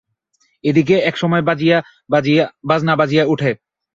এদিকে একসময় বাজনা বাজিয়া ওঠে।